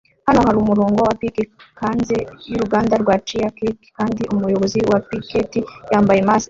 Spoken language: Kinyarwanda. Hano hari umurongo wa pike hanze y'uruganda rwa cheesecake kandi umuyobozi wa piketi yambaye mask